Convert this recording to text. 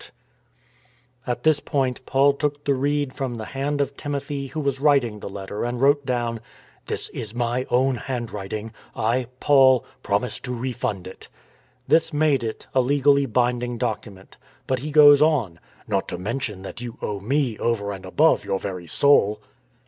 356 FINISHING THE COURSE At this point Paul took the reed from the hand of Timothy who was writing the letter and wrote down, "* This is my own handwriting : I, Paul, promise to refund it.' " This made it a legally binding document. But he goes on, " Not to mention that you owe me, over and above, your very soul